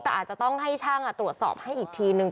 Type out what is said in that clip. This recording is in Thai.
แต่อาจจะต้องให้ช่างตรวจสอบให้อีกทีนึง